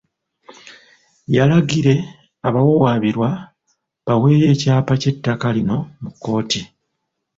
Yalagire abawawaabirwa baweeyo ekyapa ky'ettaka lino mu kkooti.